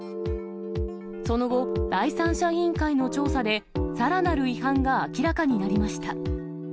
その後、第三者委員会の調査で、さらなる違反が明らかになりました。